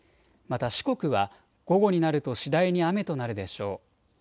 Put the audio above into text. また四国は午後になると次第に雨となるでしょう。